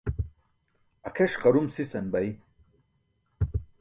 Akʰeṣ qarum sisan bay.